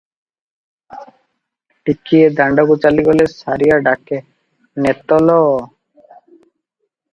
ଟିକିଏ ଦାଣ୍ତକୁ ଚାଲିଗଲେ ସାରିଆ ଡାକେ, 'ନେତଲୋ' ।